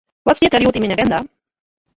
Wat stiet der hjoed yn myn aginda?